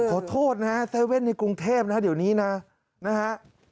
ขอโทษนะครับ๗๑๑ในกรุงเทพฯเดี๋ยวนี้นะครับ